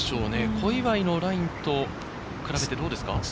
小祝のラインと比べてどうですか？